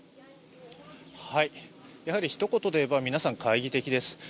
やはりひと言で言えば、皆さん懐疑的です。